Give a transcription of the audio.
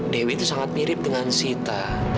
dewi itu sangat mirip dengan sita